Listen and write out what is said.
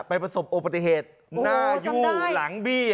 ไปผสมโอปฏิเหติหน้าอยู่หลังเบี้ย